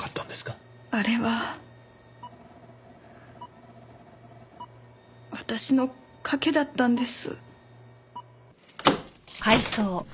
あれは私の賭けだったんです。